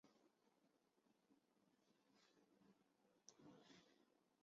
莱雷是德国下萨克森州的一个市镇。